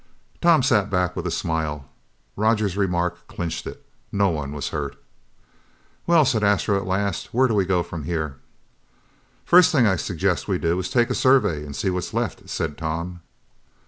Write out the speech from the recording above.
Tom sat back with a smile. Roger's remark clinched it. No one was hurt. "Well," said Astro at last, "where do we go from here?" "First thing I suggest we do is take a survey and see what's left," said Tom.